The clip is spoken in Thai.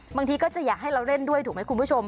บางทีก็จะอยากให้เราเล่นด้วยถูกไหมคุณผู้ชม